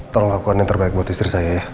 tolong lakukan yang terbaik buat istri saya ya